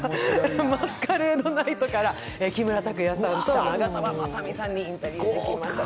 「マスカレード・ナイト」から木村拓哉さんと長澤まさみさんにインタビューしてきました。